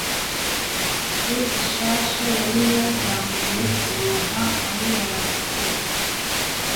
ze zishasha yari yatanguye kuronka aho yaratuye……